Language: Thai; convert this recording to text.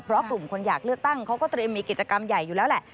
เพราะกลุ่มคนอยากเลือกตั้งเขาก็เตรียมมีกิจกรรมใหญ่อยู่แล้วแหละ